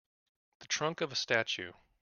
The trunk of a statue.